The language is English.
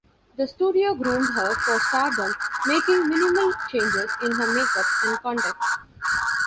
The studio groomed her for stardom, making minimal changes in her makeup and conduct.